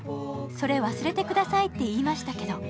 「それ忘れてくださいって言いましたけど」